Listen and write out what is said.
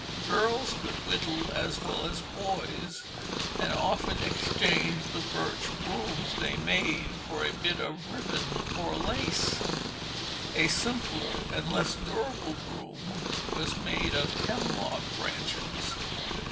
Girls could whittle as well as boys, and often exchanged the birch brooms they made for a bit of ribbon or lace. A simpler and less durable broom was made of hemlock branches.